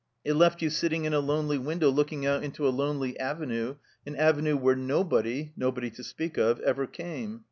It left you sitting in a lonely window looking out into a lonely Avenue, an Avenue where nobody (nobody to speak of) ever came.